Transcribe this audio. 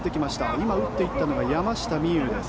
今、打っていったのが山下美夢有です。